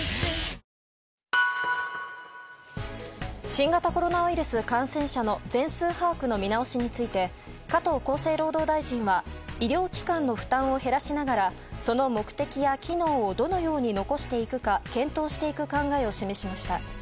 新型コロナウイルス感染者の全数把握の見直しについて加藤厚生労働大臣は医療機関の負担を減らしながらその目的や機能をどのように残していくか検討していく考えを示しました。